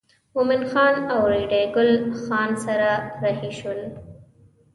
مومن خان او ریډي ګل خان سره رهي شول.